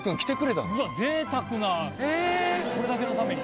うわぜいたくなこれだけのために。